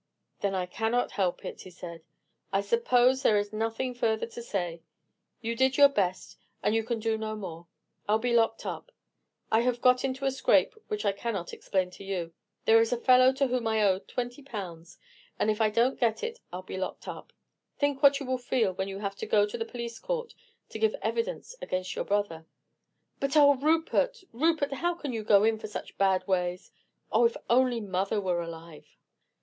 "Then I cannot help it," he said. "I suppose there is nothing further to say. You did your best, and you can do no more. I'll be locked up; I have got into a scrape which I cannot explain to you. There is a fellow to whom I owe twenty pounds, and if I don't get it I'll be locked up. Think what you will feel when you have to go to the police court to give evidence against your brother." "But, oh, Rupert! Rupert! how can you go in for such bad ways? Oh, if only mother were alive!"